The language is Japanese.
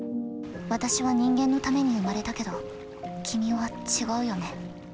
私は人間のために生まれたけど君は違うよね。